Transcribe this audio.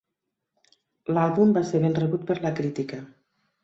L'àlbum va ser ben rebut per la crítica.